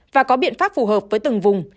và có biện pháp phù hợp với từng vùng